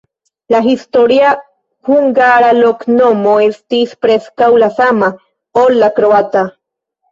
La historia hungara loknomo estis preskaŭ la sama, ol la kroata.